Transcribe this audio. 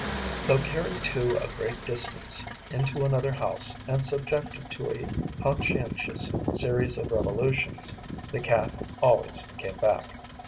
Though carried to a great distance, into another house, and subjected to a conscientious series of revolutions, the Cat always came back.